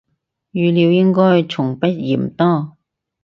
語料應該從不嫌多